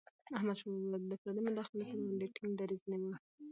احمدشاه بابا به د پردیو مداخلي پر وړاندې ټينګ دریځ نیوه.